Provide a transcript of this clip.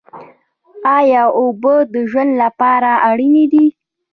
ایا اوبه د ژوند لپاره اړینې دي؟